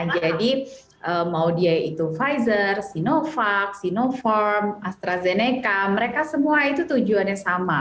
jadi mau dia itu pfizer sinovac sinopharm astrazeneca mereka semua itu tujuannya sama